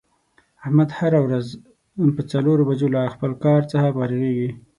احمد هره روځ په څلور بجو له خپل کار څخه فارغ کېږي.